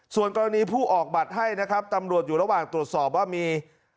ส่วนกรณีผู้ออกบัตรให้นะครับตำรวจอยู่ระหว่างตรวจสอบว่ามี